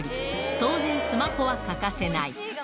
当然、スマホは欠かせない。